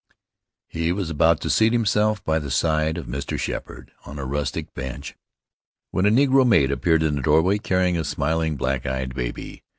He was about to seat himself by the side of Mr. Sheppard, on a rustic bench, when a Negro maid appeared in the doorway carrying a smiling, black eyed baby.